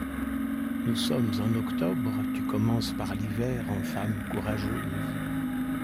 Nous sommes en octobre, tu commences par l’hiver, en femme courageuse.